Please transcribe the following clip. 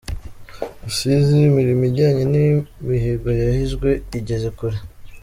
Rusizi Imirimo ijyanye n’imihigo yahizwe igeze kure